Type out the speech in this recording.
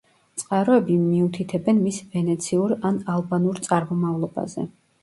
წყაროები მიუთითებენ მის ვენეციურ ან ალბანურ წარმომავლობაზე.